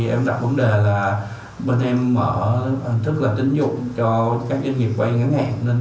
em đặt vấn đề là bên em thức là tính dụng cho các doanh nghiệp quay ngân hàng